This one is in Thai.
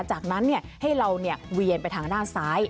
จากนั้นให้เราเวียนไปทางด้านซ้าย